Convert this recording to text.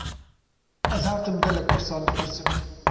Ez her tim gelek pirsan dipirsim.